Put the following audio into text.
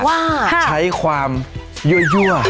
ว่าใช้ความยัวบดยัว